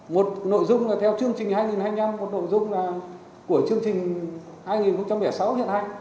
một nội dung là theo chương trình hai nghìn hai mươi năm một nội dung là của chương trình hai nghìn hai mươi sáu hiện hành